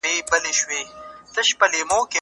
تاسو باید د مقالي لپاره یو پیاوړی استدلال ولرئ.